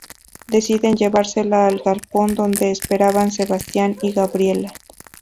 Deciden llevársela al galpón donde esperaban Sebastián y Gabriela.